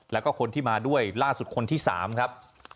แล้วก็คนที่มาด้วยล่าสุดคนที่๓ครับ